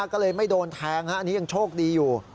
ก็เลยไม่โดนแทงอันนี้ยังโชคดีอยู่